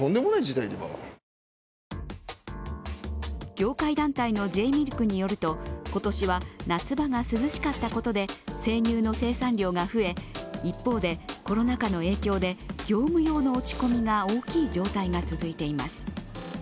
業界団体のＪミルクによると今年は夏場が涼しかったことで生乳の生産量が増え一方で、コロナ禍の影響で業務用の落ち込みが大きい状態が続いています。